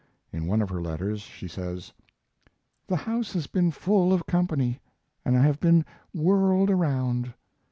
In one of her letters she says: The house has been full of company, and I have been "whirled around."